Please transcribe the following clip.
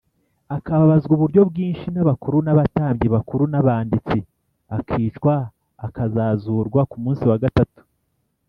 akababazwa uburyo bwinshi n’abakuru n’abatambyi bakuru n’abanditsi, akicwa, akazazurwa ku munsi wa gatatu.